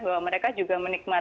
bahwa mereka juga